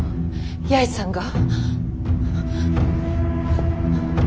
八重さんが。